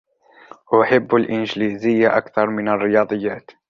أحب الإنجليزية أكثر من الرياضيات.